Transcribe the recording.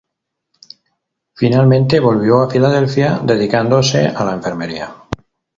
Finalmente volvió a Filadelfia, dedicándose a la enfermería.